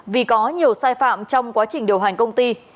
vì có nhiều sai phạm trong quá trình điều hành công ty